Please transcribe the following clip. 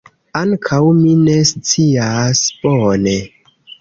Ankaŭ mi ne scias bone.